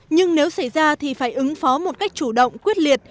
nhưng nếu xảy ra thì phải ứng phó một cách chủ động quyết liệt